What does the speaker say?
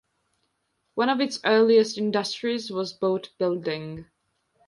One of its earliest industries was boat building.